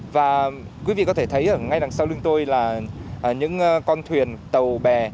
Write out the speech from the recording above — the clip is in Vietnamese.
và quý vị có thể thấy ở ngay đằng sau lưng tôi là những con thuyền tàu bè